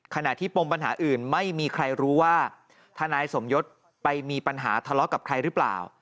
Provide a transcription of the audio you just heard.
ขณะที่ปมปัญหาอื่นไม่มีใครรู้ว่าทนายสมยศไปมีปัญหาทะเลาะกับใครหรือเปล่า